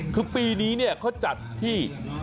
คือปีนี้เขาจัดที่